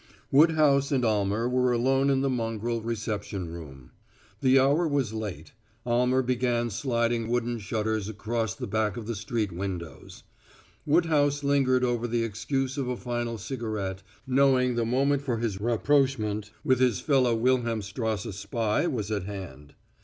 Woodhouse and Almer were alone in the mongrel reception room. The hour was late. Almer began sliding folding wooden shutters across the back of the street windows. Woodhouse lingered over the excuse of a final cigarette, knowing the moment for his rapprochement with his fellow Wilhelmstrasse spy was at hand.